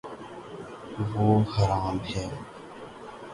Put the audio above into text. وہ ہرا م ہے